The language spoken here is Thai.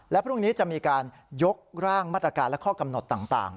และพรุ่งนี้จะมีการยกร่างมาตรการและข้อกำหนดต่าง